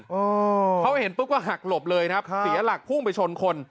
อืมเขาเห็นปุ๊บก็หักหลบเลยครับเสียหลักพุ่งไปชนคน